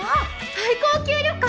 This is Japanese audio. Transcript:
最高級旅館！？